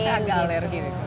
saya agak alergi